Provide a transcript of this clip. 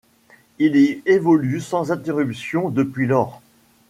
Il y évolue sans interruption depuis lors.